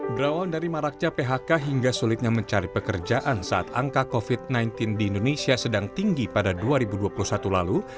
berawal dari maraknya phk hingga sulitnya mencari pekerjaan saat angka covid sembilan belas di indonesia sedang tinggi pada dua ribu dua puluh satu lalu